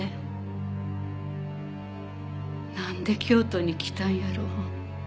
なんで京都に来たんやろ。